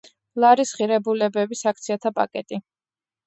ლარის ღირებულების აქციათა პაკეტი.